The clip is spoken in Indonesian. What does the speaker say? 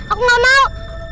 aku gak mau